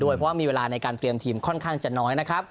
เพราะว่ามีเวลาในการเตรียมทีมค่อนข้างจะน้อยนะครับ